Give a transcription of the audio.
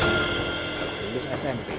setelah lulus smp